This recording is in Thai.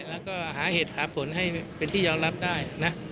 แล้วก็หาเหตุหาผลให้เป็นที่ยอมรับได้นะ